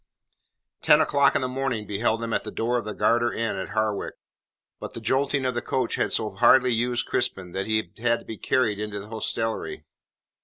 Ten o'clock in the morning beheld them at the door of the Garter Inn at Harwich. But the jolting of the coach had so hardly used Crispin that he had to be carried into the hostelry.